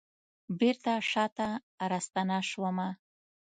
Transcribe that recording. بیرته شاته راستنه شومه